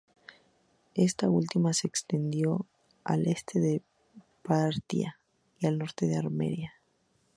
Esta última se extendió al este de Partia y al norte de Armenia.